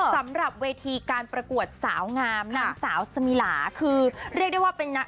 สำหรับเวทีการประกวดสาวงามนางสาวสมิลาคือเรียกได้ว่าเป็นนัก